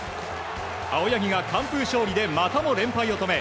青柳が完封勝利でまたも連敗を止め